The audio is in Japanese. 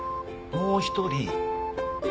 もう１人？